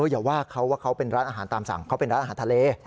อย่าว่าเขาว่าเขาเป็นร้านอาหารตามสั่งเขาเป็นร้านอาหารทะเล